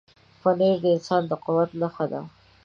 پنېر د انسان د قوت نښه ده.